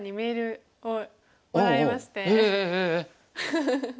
フフフフ。